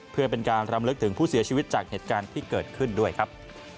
เพื่อเป็นการรำลึกถึงผู้เสียชีวิตจากเหตุการณ์ที่เกิดขึ้นด้วยครับ